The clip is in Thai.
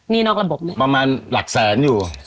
นี่นอกระบบเนี่ยประมาณหลักแสนอยู่